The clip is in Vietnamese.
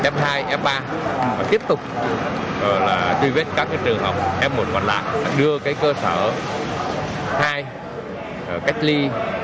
f hai f ba và tiếp tục truy vết các trường hợp f một hoặc là đưa cơ sở hai cách ly